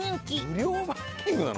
無料バイキングなの？